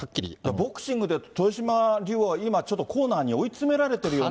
ボクシングでいうと、豊島竜王、今、ちょっとコーナーにおい追い詰められているような。